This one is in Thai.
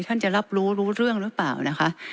ท่านจะรับรู้รู้เรื่องรึเปล่านะคะ